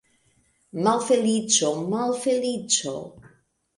Malfeliĉo, malfeliĉo!